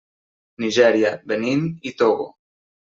Nigèria, Benín i Togo.